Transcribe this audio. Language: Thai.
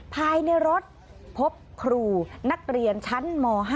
ภายในรถพบครูนักเรียนชั้นม๕